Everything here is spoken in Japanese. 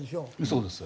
そうです。